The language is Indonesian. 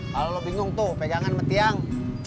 kalau lo bingung tuh pegangan sama tiang